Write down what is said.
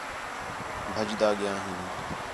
بھڄدا ڳِیا ہیں